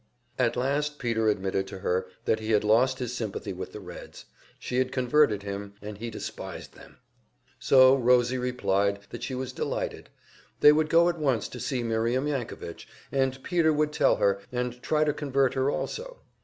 At last Peter admitted to her that he had lost his sympathy with the Reds, she had converted him, and he despised them. So Rosie replied that she was delighted; they would go at once to see Miriam Yankovich, and Peter would tell her, and try to convert her also.